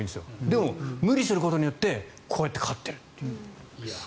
でも、無理することによってこうやって勝ってる。